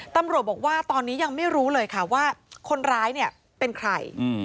ตำรวจบอกว่าตอนนี้ยังไม่รู้เลยค่ะว่าคนร้ายเนี่ยเป็นใคร